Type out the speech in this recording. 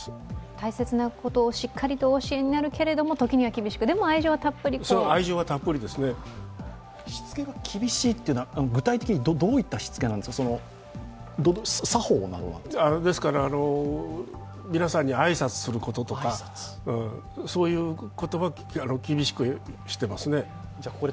大切なことをしっかりとお教えになるけれども時には厳しく、でも愛情たっぷりとしつけが厳しいというのは具体的にどういったしつけなんですか皆さんに挨拶することとかそういうことは厳しくしています。